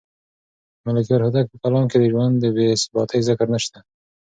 د ملکیار هوتک په کلام کې د ژوند د بې ثباتۍ ذکر نشته.